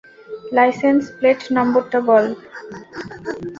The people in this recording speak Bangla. লাইসেন্স প্লেট নম্বরটা বল!